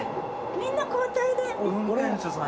みんな交代で。